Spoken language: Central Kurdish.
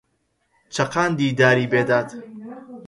چەقاندی داری بێداد